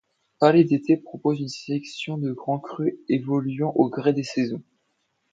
Palais des Thés propose une sélection de Grands Crus, évoluant au gré des saisons.